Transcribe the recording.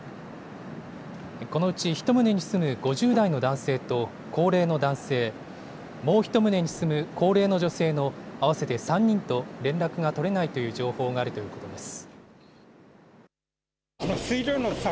このうち１棟に住む５０代の男性と高齢の男性、もう１棟に住む高齢の女性の合わせて３人と連絡が取れないという情報があるということです。